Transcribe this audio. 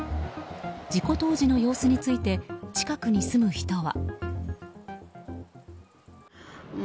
事故当時の様子について近くに住む人は。